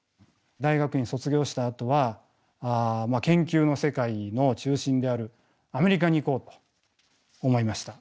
大学院を卒業したあとは研究の世界の中心であるアメリカに行こうと思いました。